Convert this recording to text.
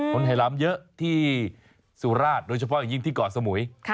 ไฮล้ำเยอะที่สุราชโดยเฉพาะอย่างยิ่งที่เกาะสมุย